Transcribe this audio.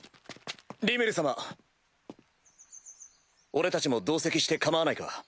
俺たちも同席して構わないか？